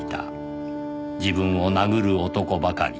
自分を殴る男ばかり